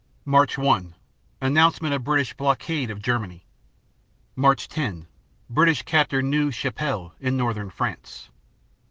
Mar. 1 Announcement of British "blockade" of Germany. Mar. 10 British capture Neuve Chapelle, in northern France.